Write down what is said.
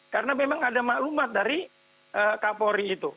karena memang ada maklumat dari kapolri itu